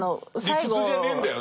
理屈じゃねえんだよっていう。